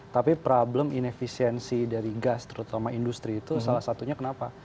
tapi problem inefisiensi dari gas terutama industri itu salah satunya kenapa